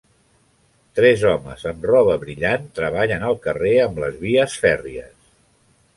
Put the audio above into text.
Tres homes amb roba brillant treballen al carrer amb les vies fèrries.